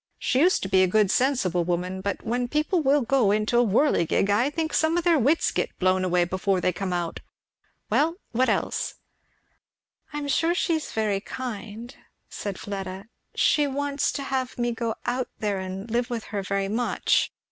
She used to be a good sensible woman; but when people will go into a whirligig, I think some of their wits get blown away before they come out. Well what else?" "I am sure she is very kind," said Fleda. "She wants to have me go out there and live with her very much.